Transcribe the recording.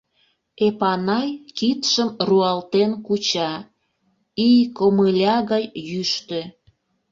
Эпанай кидшым руалтен куча — ий комыля гай йӱштӧ...